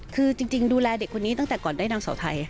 คือจริงดูแลเด็กคนนี้ตั้งแต่ก่อนได้นางสาวไทย